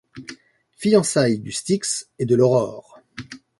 Fiançailles du Styx et de l’Aurore.